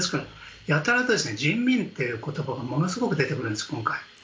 やたら、人民という言葉がすごく出てくるんです。